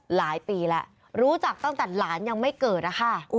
หลายปีแล้วรู้จักตั้งแต่หลานยังไม่เกิดนะคะ